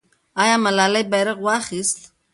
آیا ملالۍ بیرغ واخیست؟